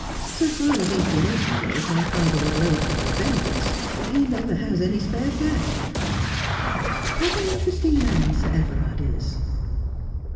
So far as inclination goes, my father would load me with benefits, but he never has any spare cash. What an interesting man Sir Everard is